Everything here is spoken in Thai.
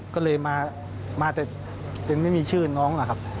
ก็เลยมาแต่ไม่มีชื่อน้องครับ